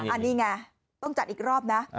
อันนี้ไงต้องจัดอีกรอบนะ